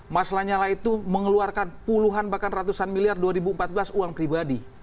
mas lanyala itu mengeluarkan puluhan bahkan ratusan miliar dua ribu empat belas uang pribadi